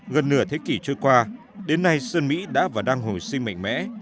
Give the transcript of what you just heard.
gần nửa thế kỷ trôi qua đến nay sơn mỹ đã và đang hồi sinh mạnh mẽ